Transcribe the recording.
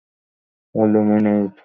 ও লুমিন এইট।